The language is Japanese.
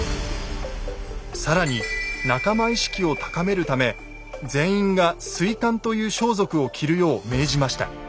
更に仲間意識を高めるため全員が「水干」という装束を着るよう命じました。